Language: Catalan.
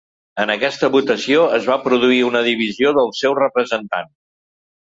En aquesta votació es va produir una divisió dels seus representants.